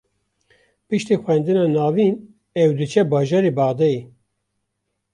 Piştî xwendina navîn, ew diçe bajarê Bexdayê